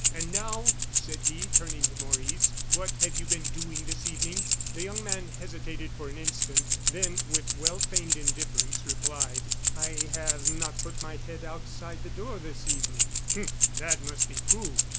"And now," said he, turning to Maurice, "what have you been doing this evening?" The young man hesitated for an instant; then, with well feigned indifference, replied: "I have not put my head outside the door this evening." "Hum! that must be proved.